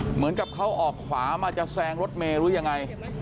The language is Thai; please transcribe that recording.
เหมือนกับเขาออกขวามาจะแซงรถเมย์หรือยังไง